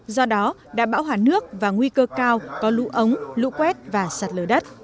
do đó đảm bảo hỏa nước và nguy cơ cao có lũ ống lũ quét và sạt lờ đất